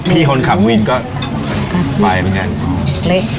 พี่คนขับมืออินก็ไปเหมือนกันเล็ก